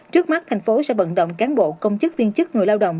trước mắt tp hcm sẽ vận động cán bộ công chức viên chức người lao động